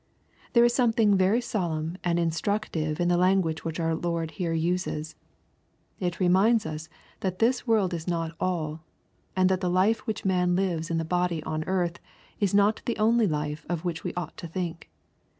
There is something very solemn and instructive in the language which our Lord here uses. It reminds us that this world is not all, and that the life which man lives in the body on earth is not the only life of which we ought to think.